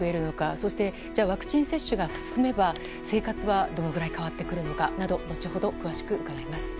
そして、ワクチン接種が進めば生活はどのくらい変わってくるのかなど後ほど詳しく伺います。